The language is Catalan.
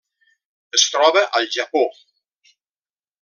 Es troba al Japó.